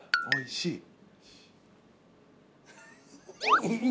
おいしい？